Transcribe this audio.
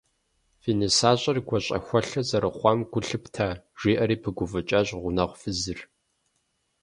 - Фи нысащӏэр гуащӏэхуэлъэ зэрыхъуам гу лъыпта? - жиӏэри пыгуфӏыкӏащ гъунэгъу фызыр.